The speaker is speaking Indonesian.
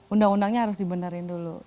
undang undangnya harus dibenarin dulu